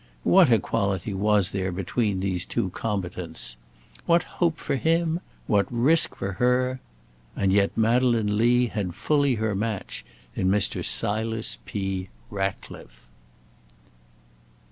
What equality was there between these two combatants? what hope for him? what risk for her? And yet Madeleine Lee had fully her match in Mr. Silas P. Ratcliffe.